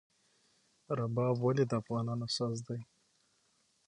رباب ولې د افغانانو ساز دی؟